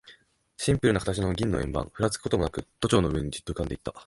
シンプルな形の銀の円盤、ふらつくこともなく、都庁の上にじっと浮んでいた。